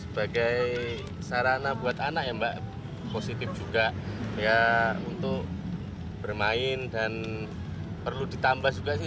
sebagai sarana buat anak ya mbak positif juga ya untuk bermain dan perlu ditambah juga sih